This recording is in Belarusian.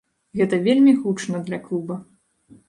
Гэта вельмі гучна для клуба.